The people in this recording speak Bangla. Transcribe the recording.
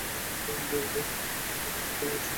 পঞ্চুকে প্রায়শ্চিত্ত করতে হবে।